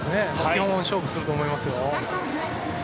基本、勝負すると思いますよ。